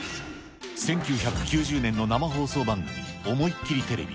１９９０年の生放送番組、おもいッきりテレビ。